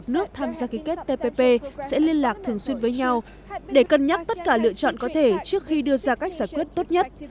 một mươi một nước tham gia kỳ kết tpp sẽ liên lạc thường xuyên với nhau để cân nhắc tất cả lựa chọn có thể trước khi đưa ra cách giải quyết tốt nhất